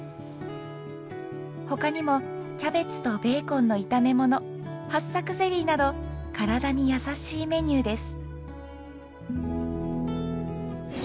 他にもキャベツとベーコンの炒め物はっさくゼリーなど体に優しいメニューです。